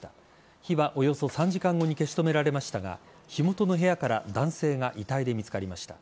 火はおよそ３時間後に消し止められましたが火元の部屋から男性が遺体で見つかりました。